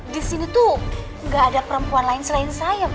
di sini tuh nggak ada perempuan lain selain saya